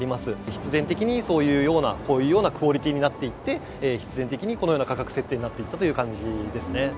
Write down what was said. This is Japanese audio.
必然的にそういうような、こういうようなクオリティーになっていって、必然的にこのような価格設定になっていったというような感じです